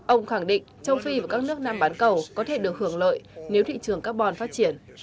ông khẳng định châu phi và các nước nam bán cầu có thể được hưởng lợi nếu thị trường carbon phát triển